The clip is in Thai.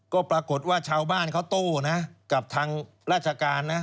ก็ปรากฏว่าชาวบ้านเขาโต้นะกับทางราชการนะ